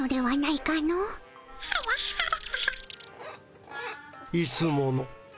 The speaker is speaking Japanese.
いつもの。